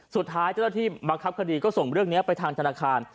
สุดท้ายเจ้าหน้าที่บังคับคดีก็ส่งเรื่องนี้ไปทางธนาคาร